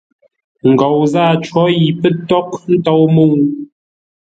Ngou zâa có yi pə́ tághʼ tôu mə́u.